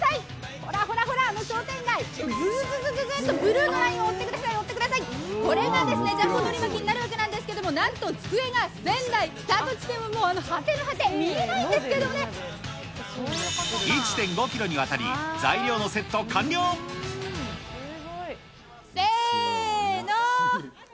ほらほらほら、商店街、ずずずずっとブルーのラインを追ってください、追ってください、これがですね、ジャンボのり巻きになるわけなんですけれども、なんと机が１０００台、スタート地点はもう果ての果て、見えないんですけど１．５キロにわたり、材料のせーの！